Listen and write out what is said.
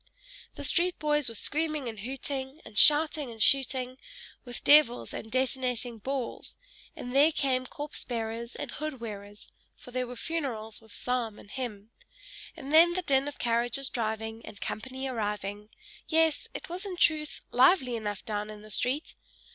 The street boys were screaming and hooting, and shouting and shooting, with devils and detonating balls and there came corpse bearers and hood wearers for there were funerals with psalm and hymn and then the din of carriages driving and company arriving: yes, it was, in truth, lively enough down in the street.